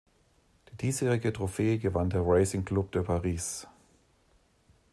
Die diesjährige Trophäe gewann der Racing Club de Paris.